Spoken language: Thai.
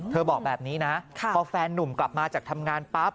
บอกแบบนี้นะพอแฟนนุ่มกลับมาจากทำงานปั๊บ